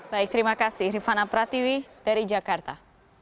baik terima kasih rifana pratiwi dari jakarta